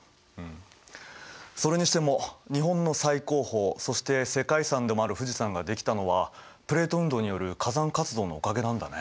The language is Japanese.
それにしても日本の最高峰そして世界遺産でもある富士山ができたのはプレート運動による火山活動のおかげなんだね。